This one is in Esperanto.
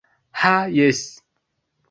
Ha, jes.